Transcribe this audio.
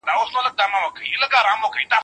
ماشومان د مودې او سرعت توپیر زده کوي.